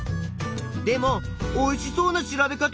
でもおいしそうな調べ方。